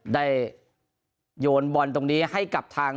โยนบอลตรงนี้ให้กับทาง